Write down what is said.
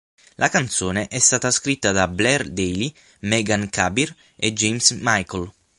La canzone è stata scritta da Blair Daly, Meghan Kabir e James Michael.